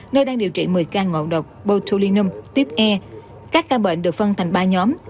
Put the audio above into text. nơi đang điều trị một mươi ca ngộ độc botutulinum tuyếp e các ca bệnh được phân thành ba nhóm